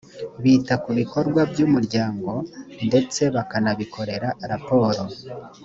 bita ku bikorwa by’umuryango ndetse bakanabikorera raporo